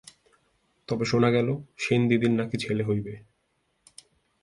তবে শোনা গেল, সেনদিদির নাকি ছেলে হইবে।